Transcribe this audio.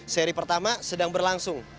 seri pertama sedang berlangsung